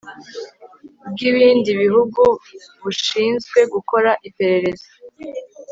bw ibindi bihugu bushinzwe gukora iperereza